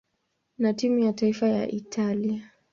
na timu ya taifa ya Italia.